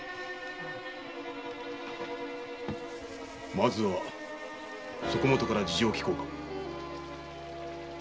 まずそこもとから事情を聞こう。